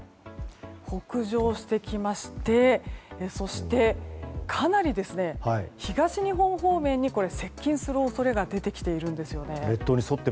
北上してきましてそしてかなり東日本方面に接近する恐れが出てきているんです。